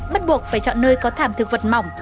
bắt buộc phải chọn nơi có thảm thực vật mỏng